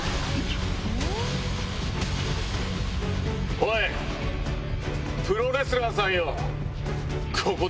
おいプロレスラーさんよ！